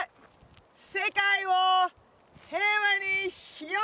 世界を平和にしよう！